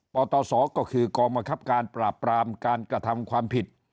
ตศก็คือกองบังคับการปราบปรามการกระทำความผิด